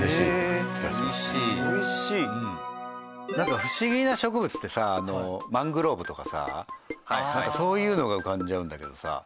なんか不思議な植物ってさマングローブとかさそういうのが浮かんじゃうんだけどさ。